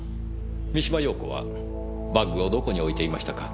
三島陽子はバッグをどこに置いていましたか？